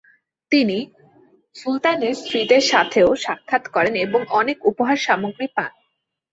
তিনি সুলতানের স্ত্রীদের সাথেও সাক্ষাৎ করেন এবং অনেক উপহার সামগ্রী পান।